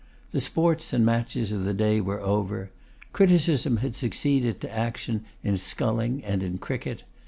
The sports and matches of the day were over. Criticism had succeeded to action in sculling and in cricket.